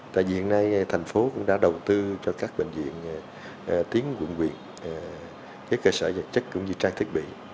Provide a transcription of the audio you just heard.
tại vì hiện nay thành phố cũng đã đầu tư cho các bệnh viện tuyến quận quyệt các cơ sở vật chất cũng như trang thiết bị